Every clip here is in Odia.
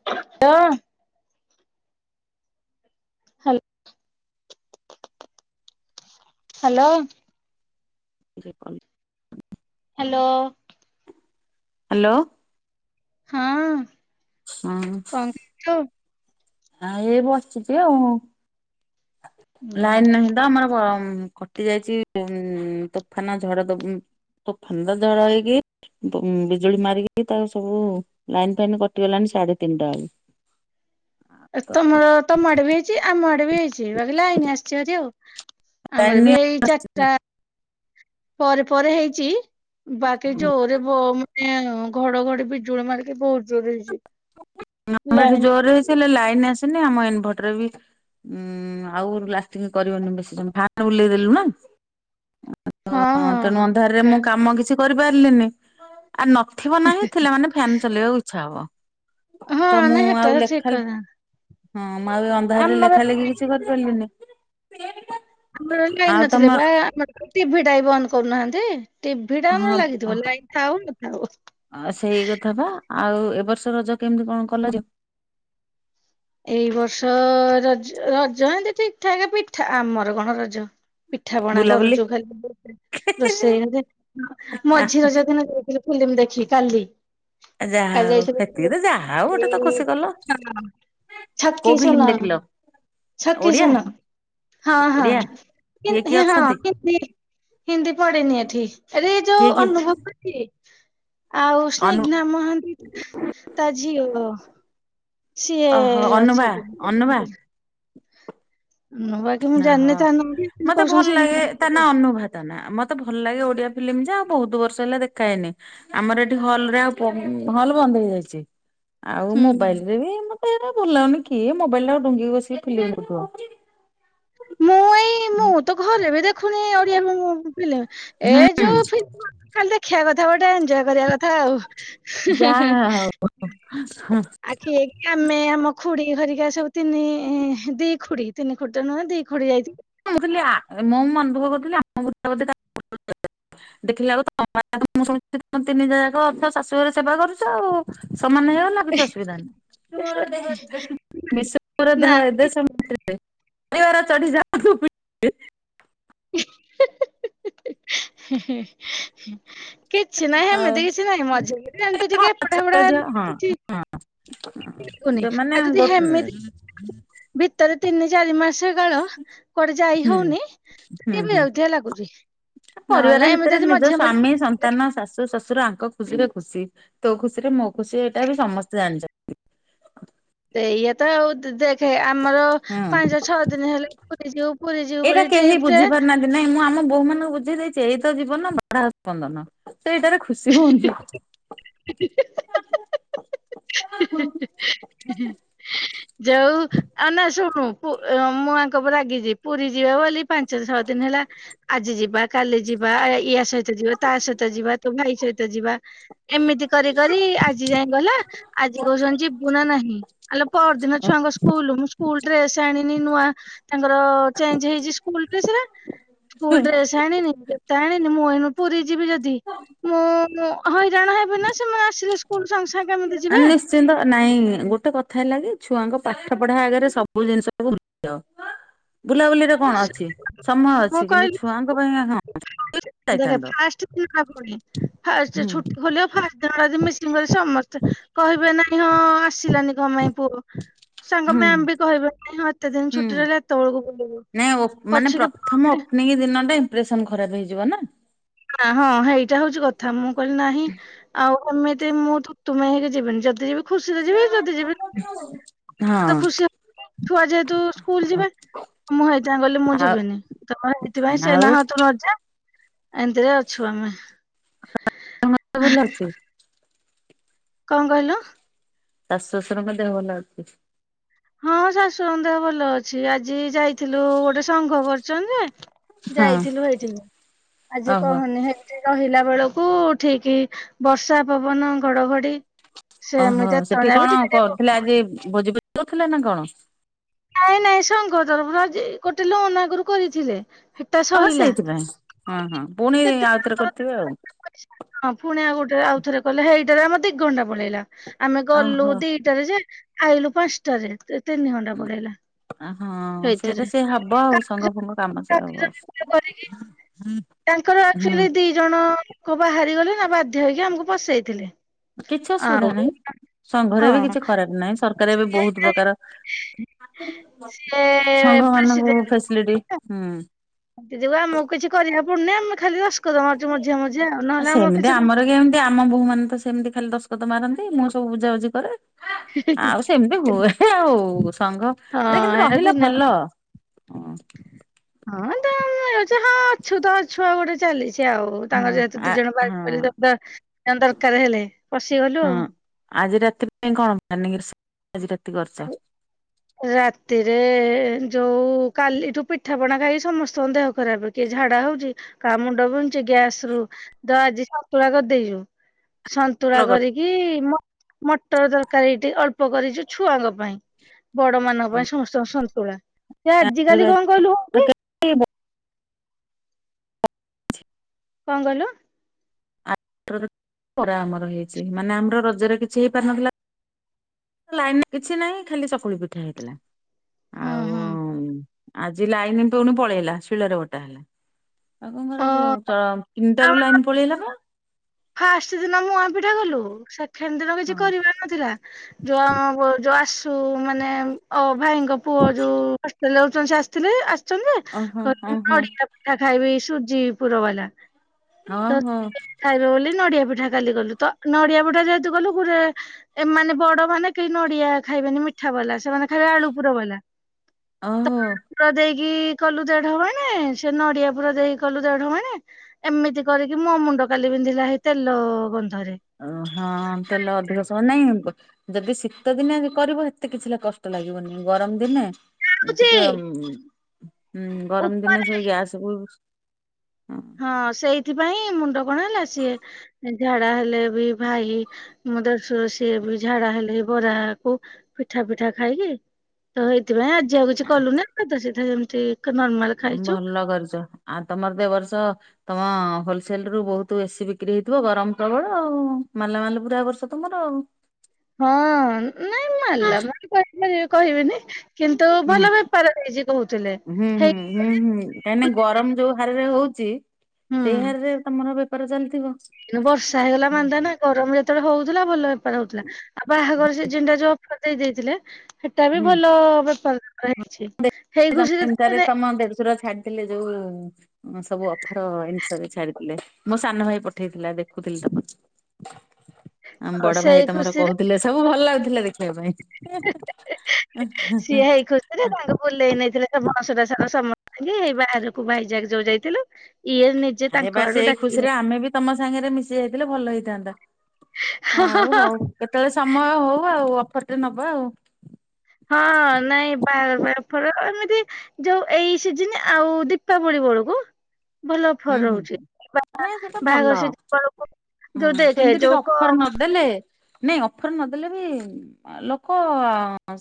ହ [unintelligible] ହାଲୋ। ହାଲୋ? କଲ [unintelligible] ହାଲୋ ହାଲୋ। ହଁ କଣ କରୁଛୁ? ହଁ, ଏଇ ବସିଛି ଆଉ। ଲାଇନ ନାହିଁ ତ ଆମର କଟି ଯାଇଛି, ତୋଫାନ ଝଡ ତୋଫାନ ମତେ ଥଣ୍ଡା ଜ୍ୱର ହେଇକି ବିଜୁଳି ମାରିକି ତାକୁ ସବୁ ଲାଇନ ଫାଇନ୍ କଟିଗଲାଣି ସାଢେ ତିନିଟା ବେଳୁ। ଏ ତମର ତମ ଆଡେ ବି ହେଇଛି, ଆମ ଆଡେ ବି ହେଇଛି, ଭାବିଲି ଲାଇନି ଆସିଛି ଭାରି ଆଉ। ଆମର ବି ଲାଇନି ଏଇ ଚାରିଟା ଆସିନି। ପରେ ପରେ ହେଇଛି, ବାକି ଯୋରେ ବ ମାନେ ଘଡ ଘଡି ବିଜୁଳି ମାରିକି ବହୁତ ଜୋରେ ହେଇଛି। ଆମର ଏଠି ଲାଇନ ଜୋରରେ ହେଇଚି, ହେଲେ ଲାଇନ ଆସିନି, ଆମ ଇନଭଟର ବି ଉଁ ଆଉ ଲାଷ୍ଟିଂ କରିବନି ବେଶୀ, [unintelligible] ଜମ ଫ ବୁଲେଇଦେଲୁ ନା। ହଁ ତେଣୁ ହଁ ଅନ୍ଧାରରେ ମୁଁ କାମ କିଛି କରିପାରିଲିନି, ଆ ଥିବ ନା ନାହିଁ, ଥିଲେ ମାନେ ଫ୍ୟାନ୍ ଚଲେଇବାକୁ ଇଚ୍ଛା ହବ। ହଁ, ତ ମୁଁ ନା ଆଉ ହିଟର ଲେଖା ଚେକ୍ କରିନାହାନ୍ତି। ହଁ, ମୁଁ ଆଉ ଏ ଅନ୍ଧାରରେ ଲେଖା ଲେଖି କିଛି କରିପାରିଲିନି। ଆମର ଲାଇନ ଆଉ ନଥିଲେ ତମର ବା, ଆମର ଟିଭି ଟାବି ବନ୍ଦ କରୁନାହାନ୍ତି। ଟିଭି ଟା ହଁ ଆମର ଲାଗିଥିବ, ଲାଇଟ ଥାଉ ନଥାଉ। ଆଉ ସେଇ କଥା ବା ଆଉ ଏବ ବର୍ଷ ରଜ କେମିତି କଣ କଲ? ଏଇ ବର୍ଷ ରଜ ରଜ ଏମିତି ଠିକ୍ ଠାକ୍ ପିଠା। ଆମର କଣ ରଜ। ପିଠା ପଣା ବୁଲାବୁଲି? କରୁଛୁ ଖାଲି। [unintelligible] ରୋଷେଇ ଆ ମଝି ର ଯଦିନ ଯାଇଥିଲୁ ଫିଲ୍ମ ଦେଖି କାଲି। ଯାହା କ ହଉ ଯାଇଛ ସେତିକି ହଁ ତ ଯାହା ହଉ ଗୋଟେ ତ ଖୁସି [unintelligible] କଲ କୋଉ ଛକି ଫିଲ୍ମ ଶୂନ, ଦେଖିଲ ଛକି ଓଡିଆ? ଶୂନ। ହଁ, ଓଡିଆ ହଁ, ହଁ, କିଏ କିଏ ଅଛନ୍ତି [unintelligible] କି ହିନ୍ଦୀ ପଡେନି ଏଠି। ଏରେ ଏଇ ଯୋଉ କିଏ କିଏ ଅନୁଭବ ଆଉ ଅନୁ ସ୍ନିଗ୍ଧା ମହାନ୍ତି ତା ଝିଅ। ସିଏ ଓହୋ ଅନୁଭା ଅଛି, ଅନୁଭା [unintelligible] ନଁ ବାକି ମୁଁ [unintelligible] ଓହୋ। ମତେ ଭଲ ଲାଗେ ତା ନା ଅନୁଭାତା ନା ମତେ ଭଲ ଲାଗେ ଓଡିଆ ଫିଲ୍ମ ଯା ଆଉ ବୋହୁତୁ ବର୍ଷ ହେଲା ଦେଖାଏନି। ଆମର ଏଠି ହଲ ରେ ଆଉ ପ ହଲ ବନ୍ଦ ହେଇଯାଇଚି। ଆଉ ହୁଁ। ମୋବାଇଲି ରେ ବି ମତେ ଏରା ଭଲ ଲାଗୁନି କିଏ ମୋବାଇଲ ଟା ଆଉ ଡୁଙ୍ଗିକି ବସିକି ଫିଲ ମ୍ ଦେଖ୍ ଥିବ। ମୁଁ ଏଇ ମୁଁ ତ ଘରେ ବି ଦେଖୁନି ଓଡିଆ ମୁ ମୁଁ। ଏ ହୁଁ ଯୋଉ ଫିମ ଖାଲି ଦେଖିବା କଥା ଗୋଟେ ଏନ୍ଜୟେ କରିବା କଥା ଆଉ। ଯା ହା ହବ ବ। ଆଖି। ଆମେ ଆମ ଖୁଡି ଘରିକା ସବୁ ତିନି ଦି ଖୁଡ଼ି ତିନି ଖୁଡି ତ ନୁହେଁ ଦି ଖୁଡି ଯାଇଥିଲୁ। ମୁଁଥିଲି ମୁଁ ମୁଁ ମନ୍ ଦୁଖ କରୁଥିଲି ଆମ [inaudible] ଦେଖିଲା ବଳକୁ ତ ମେ ମା ମୁଁ ଶୁଣୁଚି ତିନି ଯା ଯାକ ଅ ଶାଶୁ ଘରେ ସେବା କରୁଚ ଆଉ ସମାନେ ନା କିଛି ଅସୁଦା ମିସୁ ମୋର ନା ଦେହ ଏ କିଛି ଦେଶ ନାହିଁ [unintelligible] ର ଚଢ଼ି ଯାଉ [unintelligible] ହ ହେ ହେ। କିଛି ନାହିଁ ଆଉ ହେମିତି କିଛି ନାହିଁ ମଝିରେ ଏମିତି ଟିକେ ଏପଟ ହଁ ହଁ ହେପଟଚି। ଆଉ ଯୋଉମାନେ ଯଦି ଗୋ ହୁଁ ହେମିତି ଭିତରେ ତିନି ଚାରି ମାସେ କାଳ କୁଆଡେ ଯାଇ ହୋଉନି ହୁଁ ଟିକେ ହୁଁ। ବିରକ୍ତିଆ ଲାଗୁଚି। ପରିବାର ଭିତରେ ନିଜ ସ୍ଵାମୀ ସଂ ସନ୍ତାନ ଶାଶୁ ଶ୍ୱଶୁର ଆଙ୍କ ଖୁସି ରେ ଖୁସି ତୋ ଖୁସି ରେ ମୋ ଖୁସି ଏଇଟା ବି ସମସ୍ତେ ଜାଣିଚନ୍ତି। ସେଇ ଆତ ଆଉ। ଦେଖେ ଆମର ହୁଁ। ପାଞ୍ଚ ଛଅ ଦିନ ହେଲେ ପୁରୀ ଯିବୁ ପୁରୀ ଯିବୁ ଏଇଟା ବୋଲି ଟ୍ରି କେହି ପ୍ ଟେ ବୁଝି ପାରୁନାହାନ୍ତି ନାଇଁ ମୁଁ ଆମ ବୋଉ ମାନଙ୍କୁ ବୁଝେଇ ଦେଇେଚି ଏଇ ତ ଜୀବନ ବାଢାଅପନ୍ଦନ ସେ ଇଟାରେ ଖୁସି ହୁଅନ୍ତି। ହେ ହେ ହେ। ହୁଁ ହୁଁ ଯଉ ଆଉ ନା ଶୁଣୁ ପୁ ଅଁ ମୁଁଆଙ୍କ ରାଗି ଯିବି। ପୁରୀ ଯିବା ବୋଲି ପାଞ୍ଚ ଛଅ ଦିନି ହେଲା ଆଜି ଯିବା କାଲି ଯିବା ଇଏ ସେ ସହି ଯିବା ତା ସହିତ ଯିବା ତୋ ଭାଇ ସହିତ ଯିବା ଏମିତି କରି କରି ଆଜି ଯାଏଁ ଗଲା ଆଜି କୋହୁଚନ୍ତି ଯିବୁ ନା ନାହିଁ ଆଲୋ ପହ ସେ ଦିନ ଛୁଆଙ୍କ ସ୍କୁଲୁ ମୁଁ ସ୍କୁଲ ଡ୍ରେସେ ଆଣିନି ନୂଆ ତାଙ୍କର ଚେଞ୍ଜ ହେଇଚି ସ୍କୁଲୁ ଡ୍ରେସ ରେ ସ୍କୁଲ ଡ୍ରେସ ଆଣିନି ଜୋତା ଆଣିନି ମୁଁ ଏଇନେ ପୁରୀ ଯିବି ଯଦି ମୁଁଁ ହଇରାଣ ହେବି ନା ସେ ମା ଆସିଲେ ସ୍କୁଲ୍ ସାଙ୍ଗେ ସାଙ୍ଗେ କେମିତି ଯିବେ। ନ୍ତ ନାଇଁ ଗୋଟେ କଥା ହେଲା କି ଛୁଆଙ୍କ ପାଠ ପଢ଼ା ଆଗରେ ସବୁ ଜିନିଷଟାକୁ ଭୁଲିଅ। ହଁ ବୁଲାବୁଲି ରେ କଣ ଅଛି ସମୟ ମୁଁ ଅଛି କିନ୍ତୁ କହିଲି ଛୁଆଙ୍କ ପାଇଁ ହଁ। ଦେଖେ ଯାଇଥାନ୍ତ। ଫାଷ୍ଟେ [inaudible] ଫାଷ୍ଟେ ହୁଁ ଛୁଟି ଖୋଲିବ ଫାଷ୍ଟେ ମିସି କି କ ବେ ସମସ୍ତେ କହିବେ ନାଇ ହଁ ଆସିଲାନି କଁପାଇ ପୁଅ ସାଙ୍ଗ ହୁଁ ମ୍ୟାାମ ବି କହିବେ ଏତେ ଦିନି ହୁଁ ଛୁଟି ରହିଲା ତଳକୁ ପଳିବୁ। ନାଇଁ ଓ ମାନେ ପ୍ରଥମ ଓପ୍ ନିଂ ଦିନ ଟା ଇମ୍ପ୍ରେସନ ଖରାପ ହେଇଯିବ ନା। ନା ହଁ ହେଇଟା ହୋଉଚି କଥା ମୁଁ କହିଲି ନାହିଁ ଆଉ ଏମିତି ମୁଁ ତୁମେ ହେରି ଯିବେନି ଯଦି ଯିବି ଝିଅ ହେଟି କଁ କରୁଚୁ। ତୁ ଖୁସି ଛୁଆ ଯେହେତୁ ସ୍କୁଲ ହଁ ଯିବେ। ମୁଁ ହେଇତି ପାଇଁ କହିଲି ମୁଁ ଆଉ ଯିବିନି ତମ ହେଇଥିପାଇଁ ସେ ଆଉ ନାହ ତୁ ନଜା। ଏମିତିରେ ଅଛୁ ଆମେ। [unintelligible] ମତେ ଭଲ ଅଛି। କଁ କହିଲ। ଶାଶୁ ଶ୍ୱାଶୁରଙ୍କ ଦେହ ଭଲ ଅଛି। ହଁ ଶାଶୁଙ୍କ ଦେହ ଭଲ ଅଛି ଆଜି ଯାଇଥିଲୁ ଗୋଟେ ସଂଘ କରିଚନ୍ତି ଯେ ହଁ। ଯାଇଥିଲୁ ହେଇଟିକି ଆଜି ଓହୋ କହନି ହେ ରହିଲା ବେଳକୁ ଠିକ ବର୍ଷା ପବନ ଘଡଘଡି ସେ ଓହୋ ଏମିତି ସେଠି ଏତେବେଳେ ବି କଣ ଟିକେ ଟିକେ କରୁଥିଲେ ପକଉନି। ଆଜି ଭୋଜି ଭୋଜି ଦୋଉଥିଲେ ନା କଣ? ନାଇଁ ନାଇଁ ସଙ୍ଗ ତରଫରୁ ଗୋଟେ ଲୋନ ଆଗରୁ କରିଥିଲେ। ହେଟା ଓହ ସଇଲା। ସେଇଥିପାଇଁ ହଁ ହଁ ପୁଣି କେତେ ଆଉଥରେ କରିଥିବେ ଆଉ। ହଁ ପୁଣି ଗୋଟେ ଆଉଥରେ କଲେ ହେଇଟାରେ ଆମ ଦିଘଣ୍ଟା ପଳେଇଲା ଆମେ ଗଲୁ ଓହୋ। ଦି ଟାରେ ଯେ ଆଇଲୁ ପାଞ୍ଚଟାରେ ତିନି ଘଣ୍ଟା ପଳେଇଲା। ହଁ ସେଇଟା ସେଇଥିରେ। ସେଇଆ ହବ ଆଉ ସଙ୍ଗ ଫଙ୍ଗ କାମ ସେଇଆ ହବ। ତାଙ୍କର ହୁଁ। ଆକ୍ଚୁଆଲି ଦି ଜଣଆଙ୍କ ବାହାରିଗଲେ ନା ବାଧ୍ୟ ହେଇକି ଆମକୁ ପସେଇଥିଲେ। କିଛି ଅସୁବିଧା ଆଉ ନାହିଁ ସଂଘରେ ବି ହଁ କିଛି ଖରାପ ନାହିଁ ସର କାର ଏବେ ବହୁତ ପ୍ରକାର ସେ ସଂଘ ମାନଙ୍କୁ ଫେସିଲିଟି। ହୁଁ ସେ ଯୋଗୁଁ ଆମକୁ କିଛି କରିବାକୁ ପଡୁନି ଆମେ ଖାଲି ଦସକତ ମାରୁଚୁ ମଝିରେ ମଝିରେ ଆଉ ନହେଲେ ଆମର ସେମିତି କିଛି କେମିତି ଆମ ବୋହୁ ମାନେ ତ ସେମିତି ଖାଲି ଦଶକତ ମାରନ୍ତି ମୁଁ ସବୁ ବୁଝାବୁଝି କରେ। ଆଉ ସେମିତି ହୁଏ ଆଉ ସଂଘ ରେ ରହିଲା ଦିନ ଭଲ। ହଁ ହଁ ତ ମିଳୁଛି ହଁ ଅଛୁ ତ ଅ ଛୁଆ ଗୋଟେ ଚାଲି ସେ ଆଉ ହଁ ତାଙ୍କର ଯେହେତୁ ଆ ଦି ଜଣ ବାହାରି ହଁ ପଇଲେଜା। ତାଙ୍କ ଦରକାର ହେଲେ ପଶିଗଲୁ ହଁ ଆଉ। ଆଜି ରାତି ପାଇଁ କଣ ପ୍ଲାନି ଅଛି ଆଜି ରାତି କରୁଚ। ହ। ରାତିରେ ଯୋଉ କାଲିଠୁ ପିଠାପଣା ଖାଇକି ସମସ୍ତଙ୍କ ଦେହ ଖରାପ। କିଏ ଝାଡା ହଉଛି କା ମୁଣ୍ଡ ବିନ୍ଧୁଚି ଗ୍ୟାସ ରୁ ତ ଆଜି ସନ୍ତୁଳା କରିଦେଇଛୁ। ଭଲ ସନ୍ତୁଳା କରିଛ। କରିକି ମ ମଟର ତରକାରି ଏଇଠି ଅଳ୍ପ କରିଚୁ। ଛୁଆଙ୍କ ପାଇଁ ବଡ ମାନଙ୍କ ପାଇଁ ସମସ୍ତଙ୍କ ସନ୍ତୁଳା ସେ ଆଜିକାଲି କଣ କହିଲୁ ହୋଉଚି। କଁ କହିଲ। ଖରା ଆମର ହେଇଛି ମାନେ ଆମର ରଜରେ କିଛି ହେଇପାରିନଥିଲା। ଲାଇନ କିଛି ନାହିଁ ଖାଲି ଚକୁଳି ପିଠା ହେଇଥିଲା ହୁଁ ହୁଁ ଆଉ ଆଜି ଲାଇନ ପୁଣି ପଳେଇଲା ଶିଳରେ ବଟା ହେଲା। ଆଉ କଣ ଅ କରାଯିବ ତିନିଟା ଆମ ରୁ ଲାଇନ ପଳେଇଲାପା। ଫାଷ୍ଟ ଦିନ ମୁଆଁ ପିଠା କଲୁ ସେକେଣ୍ଡ ଦିନ କିଛି ହଁ କରିବାର ଥିଲା ଯୋଉ ଆମ ଯୋଉ ଆସୁ ମାନେ ଅ ଭାଇଙ୍କ ପୁଅ ଯୋଉ ଲଉଛନ୍ତି ଆସିଥିଲେ ଆସିଛନ୍ତି ଯେ ଓହୋ କହିଲେ ଓହୋ ନଡିଆ ପିଠା ଖାଇବି ସୁଜି ପୁର ବାଲା। ଓ ତ ହୋ। ଖାଇବେ ବୋଲି ନଡିଆ ପିଠା କାଲି କଲୁ ତ ନଡିଆ ପିଠା ଯେହେତୁ କଲୁ ଗୁରେ ଏମାନେ ବଡ ମାନେ କେହି ନଡିଆ ଖାଇବେନି ମିଠା ବାଲା ସେମାନେ ଖାଇବେ ଆଳୁ ପୁର ବାଲା। ଓ ହୋ। ପୁର ଦେଇକି କଲୁ ଦେଢ ମାଣେ ସେ ନଡିଆ ପୁର ଦେଇକି କଲୁ ଦେଢ ମାଣେ ଏମିତି କରିକି ମୋ ମୁଣ୍ଡ କାଲି ପିନ୍ଧିଲା ହେଇ ତେଲ ଗନ୍ଧରେ। ଓ ହଁ ତେଲ ଅଧିକ ସମୟ ନାଇଁ ଯଦି ଶୀତ ଦିନେ କରିବ ହେତେ କିଛି ଲ କଷ୍ଟ ଲାଗିବନି ଗରମ ଦିନେ ଟିକେ ରଖୁଛି। ଉଁ ଗରମ ଦିନେ ଉପରେ ସେଇ ଗ୍ୟାସକୁ ହଁ ସେଇଥିପାଇଁ ମୁଣ୍ଡ କଣ ହେଲା ସିଏ ଝାଡା ହେଲେ ବି ଭାଇ ମୋ ଦେଡସୁର ସିଏ ବି ଝାଡା ହେଲେ ବରାକୁ ପିଠା ପିଠା ଖାଇକି ତ ହେଇଥିପାଇଁ ଆଜି ଆଉ କିଛି କଲୁନି ସାଧା ସିଧା ଏମିତି। ନର୍ମାଲ ଖାଇଚୁ। ଭଲ କରିଚ। ଆ ତମର ତ ଏ ବର୍ଷ ତମ ହୋଲସେଲ ରୁ ବହୁତ ବେଶୀ ବିକ୍ରି ହେଇଥିବ ଗରମ ପ୍ରବଳ ଆଉ ମାଲା ମାଲ ପୁରା ବର୍ଷ ତମର ଆଉ। ହୁଁ। ନାଇଁ ମାଲା ହୁଁ ମାଲ୍ ମୁଁ କହିପାରିବେ କହିବେନି କିନ୍ତୁ ଭଲ ବେପାର ହେଇଚି କହୁଥିଲେ। ହୁଁ ହେଇ ହୁଁ ହୁଁ ହୁଁ କାହିଁକି ନା ଗରମ ଯୋଉ ହାରରେ ହଉଚି ସେଇ ହାରରେ ତମର ଏବେ ପାର ଚାଲିଥିବ। କିନ୍ତୁ ବର୍ଷା ହେଇଗଲା ମାନ୍ଦା ନା। ଗରମ ଯେତେବେଳେ ହଉଥିଲା ଭଲ ବେପାର ହଉଥିଲା ଆଉ ବାହାଘର ସିଜିନିଟା ଯୋଉ ଅଫର ଦେଇ ଦେଇଥିଲେ। ହେଟା ବି ହୁଁ ଭଲ ବେପାର ହେଇଚି। [inaudible] ଟାରେ ତମ ଦେଢଶୁର ଛାଡିଥିଲେ ଯୋଉ। ହ ସବୁ ଅଫର ଜିନିଷରେ ଛାଡିଥିଲେ ମୋ ସାନ ଭାଇ ପଠେଇଥିଲା ଦେଖୁଥିଲି ତ [inaudible] ହ। ଆମ ବଡ ଭାଇ ତମର କହୁଥିଲେ ସବୁ ଭଲ ଲାଗୁଥିଲା ଦେଖିଆ ପାଇଁ। ସିଏ ହେଇ ଖୁସିରେ ତାଙ୍କୁ [unintelligible] ନେଇଥିଲେ ସେ ବଅଁସଟା ସାର ସମସ୍ତି ଙ୍କି ଏଇ ବାହାରକୁ ଭାଇଜାକ ଯୋଉ ଯାଇଥିଲୁ। ଇଏ ନିଜେ ଆରେ ବା ତାଙ୍କ ଆଡୁ ସେଇ ଡାକିକି ଖୁସିରେ ଆମେ ବି ତମ ସାଙ୍ଗରେ ମିଶି ଯାଇଥିଲେ ଭଲ ହେଇଥାନ୍ତା ଆଉ ହଉ। କେତଳେ ସମୟ ହଉ ଆଉ ଅଫରଟେ ନବା ଆଉ। ହଁ ନାଇଁ ବାହାଘର [unintelligible] ର ଏମିତି। ଯୋଉ ଏଇ ସିଜିନ୍ ଆଉ ଦୀପାବଳି ବେଳକୁ। ଭଲ ଅଫର ହୁଁ ହୁଁ। ରହୁଚି, ବା ଆରେ ସେଟା ବାହାଘର ଭଲ ସିଜିନ ବେଳକୁ ଯୋଉ ଦେଖେ, ଯୋଉ କ ଦେଲେ, ନାଇଁ ଅଫର ନଦେଲେ ବି ଲୋକ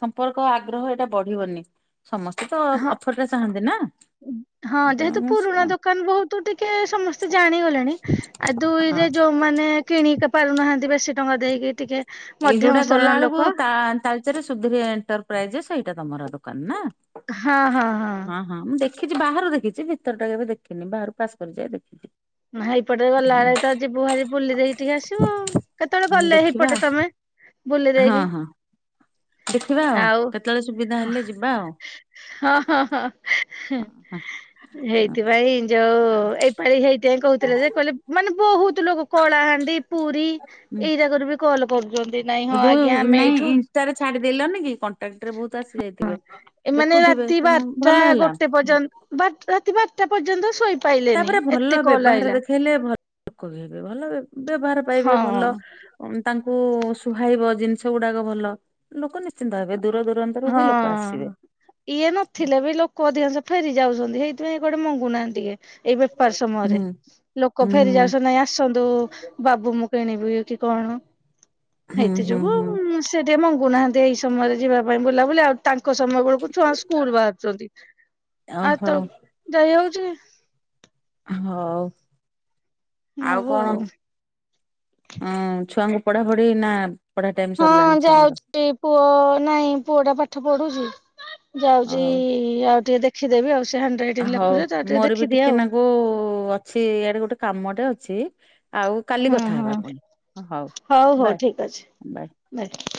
ସମ୍ପର୍କ ଆଗ୍ରହ, ଏଇଟା ବଢିବନି। ସମସ୍ତେ ତ ହଁ ଅଫର ଟା ଚାହାନ୍ତି ନା, ତେଣୁ ତୁ ଟିକେ ସମସ୍ତେ ଜାଣିଗଲେଣି, ଆ ଦୁଇରେ ଯୋଉମାନେ କିଣି ପାରୁନାହାନ୍ତି, ବା ସେ ଟଙ୍କା ଦେଇକି ଟିକେ, ମଧ୍ୟମ ସ୍ରଣ ର ଲୋକ। [inaudible] ରେ ସୁବିଧା ଏଣ୍ଟରପ୍ରାଇଜ, ସେଇଟା ତମର ଦୋକାନ ନା। ହଁ ହଁ ହଁ। ହଁ, ମୁଁ ଦେଖିଚି ବାହାରୁ ଦେଖିଚି ଭିତର ଟା କେବେ ଦେଖିନି, ବାହାରୁ ପାସ୍ କରି ଯାଏ ଦେଖିଚି। ନା ହେଇପଟେରେ ଗଲା ବେଳେ ତ, ଯିବୁ ଭାରି ବୁଲି ଦେଇକି ଟିକେ ଆସିବୁ ଆଉ କେତେବେଳେ ହୁଁ ଗଲେ ଦେଖିବା ହେଇପଟେ ତମେ। ବୁଲି ହଁ ଦେଇକି ହଁ ଦେଖିବା ଆଉ, କେତେବେଳେ ସୁବିଧା ହେଲେ ଯିବା ଆଉ। ହଁ ହଁ ହଁ, ହଁ ହଁ। ହେଇଥିପାଇଁ ଯୋଉ ପାଳି ହେଇଥିଇଁ କହୁଥିଲେ ଯେ, କହିଲେ ମାନେ ବହୁତ ଲୋକ କଳାହାଣ୍ଡି ପୁରୀ ହୁଁ ଏଇରାକରୁ ବି କଲ୍ କରୁଚନ୍ତି ନାଇଁ ହଁ ଯୋଉ ଆଜ୍ଞା ଆମେ ଏଇଠୁ ଟାକ୍ଟ୍ ରେ ବହୁତ୍ ଆସି ଯାଇଥିବେ ଏମାନେ ଦେଖୁଥିବେ ତେଣୁ ଭଲ ହେଲା। ବାଟ୍- ରାତି ବାର୍ ଟା ପର୍ଯ୍ୟନ୍ତ ଶୋଇପାଇଲେନି ତାପରେ ଏତେ ଭଲ କଲ୍ ବ୍ୟବହାର ଆଇଲା ଦେଖେଇଲେ ଭଲ ଲୋକ ବି ହେବେ ଭଲ ବ୍ୟବହାର ପାଇବେ ହଁ ଭଲ। ତାଙ୍କୁ ସୁହାଇବ ଜିନିଷ ଗୁଡାକ ଭଲ ଲୋକ ନିଶ୍ଚିନ୍ତ ହେବେ। ଦୂର ଦୂର ହଁ। ଇଏ ନଥିଲେ ବି ଲୋକ ଅଧିକାଂଶ ଫେରି ଯାଉଚନ୍ତି। ହେଇଥିପାଇଁ ଇଏ କୁଆଡେ ମଙ୍ଗୁ ନାହାନ୍ତି ଟିକେ। ଏଇ ବେପାର ସମୟରେ ହୁଁ ଲୋକ ଫେରି ହୁଁ ଯାଉଚନ୍ତି ନାଇଁ ଆସନ୍ତୁ ବାବୁ ମୁଁ କିଣିବି କି କଣ ହୁଁ ହେଇଥି ହୁଁ ଯୋଗୁ ହୁଁ ସେ ଟିକେ ମଙ୍ଗୁନାହାନ୍ତି ଏଇ ସମୟରେ ଯିବା ପାଇଁ ବୁଲା ବୁଲି ଆଉ ତାଙ୍କ ସମୟ ବେଳକୁ ଛୁଆ ସ୍କୁଲ୍ ବାହାରୁଚନ୍ତି ଆଉ ଓହୋ ତ ଯାଇ ହଉଚି କି। ହଉ ଆଉ କଣ ଅଁ- ଛୁଆଙ୍କୁ ପଢାପଢି ନା ପଢା ଟାଇମ ହଁ ସରିଲାଣି ଛୁଆଙ୍କର ଯାଉଚି ପୁଅ ନାଇଁ ପୁଅ ଟା ପାଠ ପଢୁଚି। ଯାଉଚି ହଉ। ଆଉ ଟିକେ ଦେଖିଦେବି ଆଉ ସେ ହାଣ୍ଡରାଇଟିଙ୍ଗ୍ ଲେଖୁଚି ଯେ ତାକୁ ଟିକେ ଦେଖିଦେବି ଆଉ। ସବୁ ଅଛି ଇଆଡେ ଗୋଟେ କାମଟେ ଅଛି ଆଉ କାଲି ହୁଁ କଥା ହେବା ହୁଁ ପୁଣି ହଉ ହଉ ଠିକ ଅଛି ବାଏ। ବାଏ।